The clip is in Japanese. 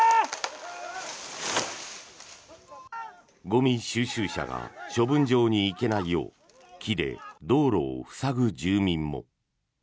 ゴミ収集車が処分場に行けないよう木で道路を塞ぐ住民も。